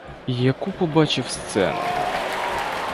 І яку побачив сцену!